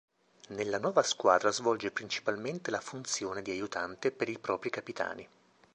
Nella nuova squadra svolge principalmente la funzione di aiutante per i propri capitani.